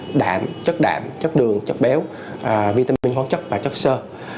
như đạm chất đạm chất đường chất béo vitamin quán chất và chất sơ